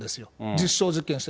実証実験して。